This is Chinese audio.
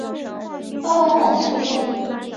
花往往簇生。